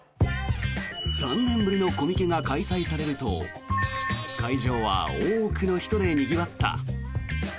３年ぶりのコミケが開催されると会場は多くの人でにぎわった。